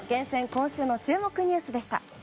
今週の注目ニュースでした。